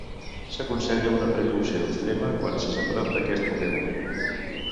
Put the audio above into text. S'aconsella una precaució extrema quan s'és a prop d'aquest Pokémon.